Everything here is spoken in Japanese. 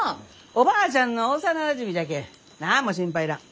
おばあちゃんの幼なじみじゃけん何も心配いらん。